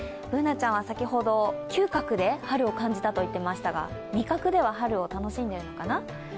Ｂｏｏｎａちゃんは先ほど嗅覚で春を感じたと言っていましたが味覚では春を楽しんでいるのかな？